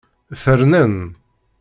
Fernen.